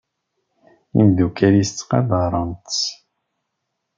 Imeddukal-is ttqadaren-tt.